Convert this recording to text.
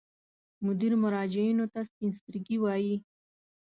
مدیر مراجعینو ته سپین سترګي وایي.